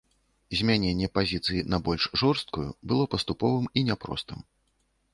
Змяненне пазіцыі на больш жорсткую было паступовым і няпростым.